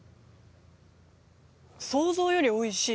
想像よりおいしい。